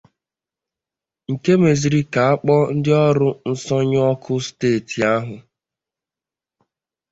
nke mezịrị ka a kpọọ ndị ọrụ nsọnyụ ọkụ steeti ahụ